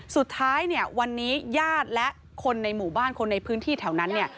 สุดท้ายเนี่ยวันนี้ญาติและคนในหมู่บ้านคนในพื้นที่แถวนั้นเนี่ย